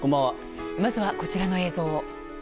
まずは、こちらの映像。